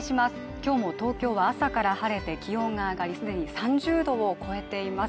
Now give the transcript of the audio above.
今日も東京は朝から晴れて気温が上がり既に３０度を超えています